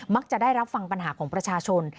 จะได้รับฟังปัญหาของประชาชน